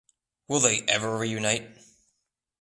Will they ever reunite?